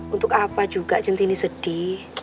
untuk apa juga jentini sedih